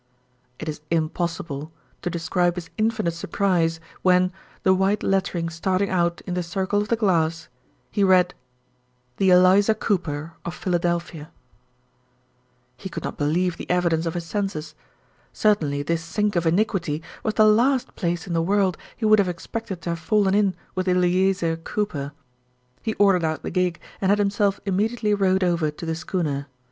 It is impossible to describe his infinite surprise when, the white lettering starting out in the circle of the glass, he read, The Eliza Cooper, of Philadelphia. He could not believe the evidence of his senses. Certainly this sink of iniquity was the last place in the world he would have expected to have fallen in with Eleazer Cooper. He ordered out the gig and had himself immediately rowed over to the schooner.